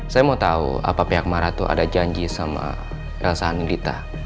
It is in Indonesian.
saya mau tau apa pihak maratu ada janji sama elsa hanedita